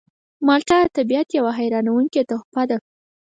مالټه د طبیعت یوه حیرانوونکې تحفه ده.